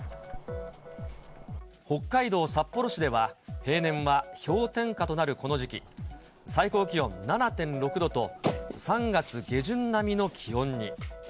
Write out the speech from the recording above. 北海道札幌市では、平年は氷点下となるこの時期、最高気温７．６度と、３月下旬並みの気温に。